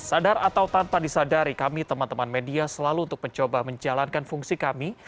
sadar atau tanpa disadari kami teman teman media selalu untuk mencoba menjalankan fungsi kami